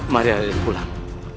mari raden pulang